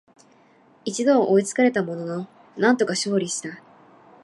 一度は追いつかれたものの、なんとか勝利した